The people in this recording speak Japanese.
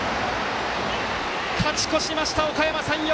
勝ち越しました、おかやま山陽！